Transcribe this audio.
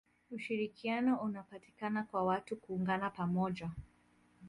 ushirikiano unapatikana kwa watu kuungana pamoja